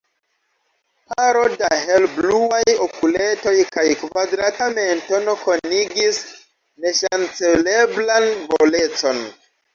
Paro da helbluaj okuletoj kaj kvadrata mentono konigis neŝanceleblan volecon.